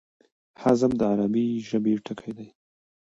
حذف د عربي ژبي ټکی دﺉ.